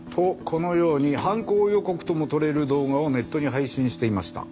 このように犯行予告ともとれる動画をネットに配信していました。